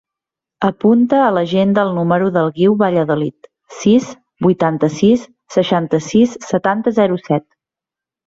Apunta a l'agenda el número del Guiu Valladolid: sis, vuitanta-sis, seixanta-sis, setanta, zero, set.